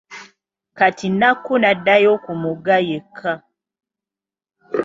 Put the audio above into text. Kati Nakku n'addayo ku mugga yekka.